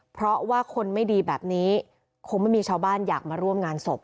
เพราะว่าคนไม่ดีแบบนี้คงไม่มีชาวบ้านอยากมาร่วมงานศพ